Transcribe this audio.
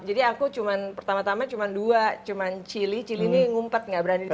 jadi aku pertama tama cuma dua cuman chili chili ini ngumpet gak berani disini